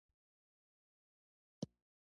افغانستان د ژورې سرچینې کوربه دی.